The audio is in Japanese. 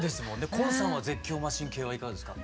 今さんは絶叫マシン系はいかがですか？